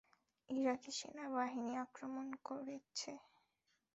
ইরাকি সেনাবাহিনী আক্রমণ করছে।